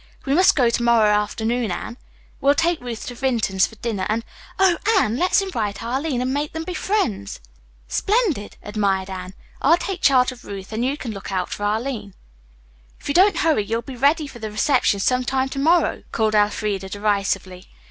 We must go to morrow afternoon, Anne. We'll take Ruth to Vinton's for dinner and, oh, Anne! let's invite Arline and make them be friends!" "Splendid!" admired Anne. "I'll take charge of Ruth and you can look out for Arline." "If you don't hurry, you'll be ready for the reception some time to morrow," called Elfreda derisively.